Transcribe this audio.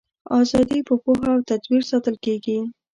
ازادي په پوهه او تدبیر ساتل کیږي.